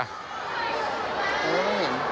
ไม่เห็น